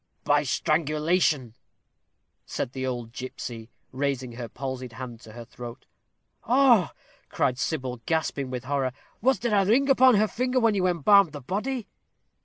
"By strangulation," said the old gipsy, raising her palsied hand to her throat. "Oh!" cried Sybil, gasping with horror. "Was there a ring upon her finger when you embalmed the body?"